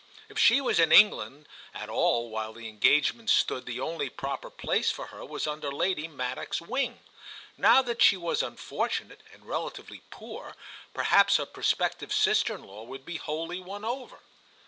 If she was in England at all while the engagement stood the only proper place for her was under Lady Maddock's wing. Now that she was unfortunate and relatively poor, perhaps her prospective sister in law would be wholly won over.